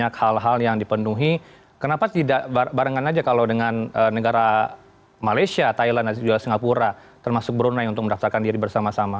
kenapa tidak barengan saja kalau dengan negara malaysia thailand singapura termasuk brunei untuk mendaftarkan diri bersama sama